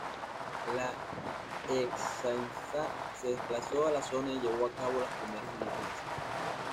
La Ertzaintza se desplazó a la zona y llevó a cabo las primeras diligencias.